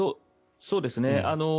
そうですね。